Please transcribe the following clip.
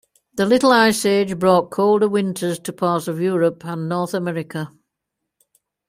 The Little Ice Age brought colder winters to parts of Europe and North America.